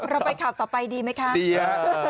อ๋อเราไปขับต่อไปดีไหมคะดีอ่ะ